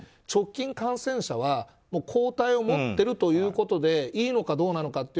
直近感染者は抗体を持っているということでいいのかどうなのか